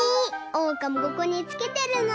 おうかもここにつけてるの！